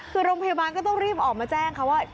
คือโรงพยาบาลก็ต้องรีบออกมาแจ้งค่ะว่า